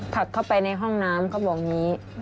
ถักเข้าไปในห้องน้ำเขาบอกอย่างนี้